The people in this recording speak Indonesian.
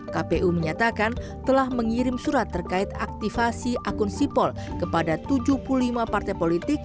kpu menyatakan telah mengirim surat terkait aktifasi akun sipol kepada tujuh puluh lima partai politik